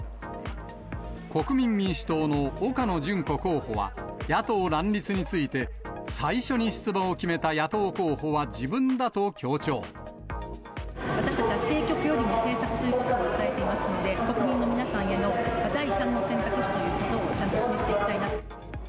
国民民主党の岡野純子候補は、野党乱立について、最初に出馬を私たちは政局よりも政策ということを訴えていますので、国民の皆さんへの第三の選択肢ということをちゃんと示していきたいなと。